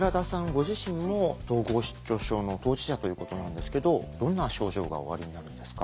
ご自身も統合失調症の当事者ということなんですけどどんな症状がおありになるんですか？